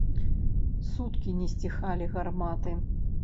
Суткі не сціхалі гарматы.